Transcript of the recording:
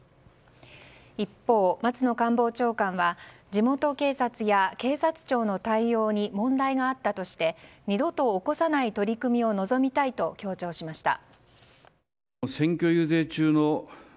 一方、松野官房長官は地元警察や警察庁の対応に問題があったとして二度と起こさない取り組みを望みたいと強調しました。